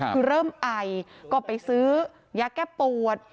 คือเริ่มไอก็ไปซื้อยาแก้ปวด